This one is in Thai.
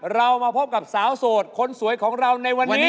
เรามาพบกับสาวโสดคนสวยของเราในวันนี้